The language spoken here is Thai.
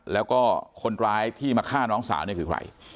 แล้วก็คนร้ายที่มาฆ่าน้องสาวเนี่ยคือใคร